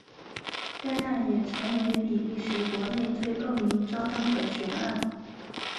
该案也成为比利时国内最恶名昭彰的悬案。